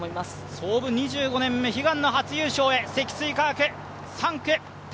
創部２５年目、悲願の初優勝へ、積水化学。